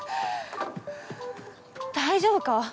大丈夫か？